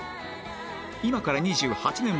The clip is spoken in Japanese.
今から２８年